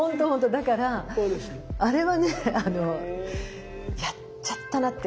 だからあれはねやっちゃったなっていうか。